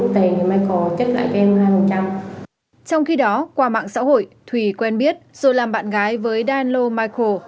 trong khi đó qua mạng xã hội thùy quen biết rồi làm bạn gái với danlo micro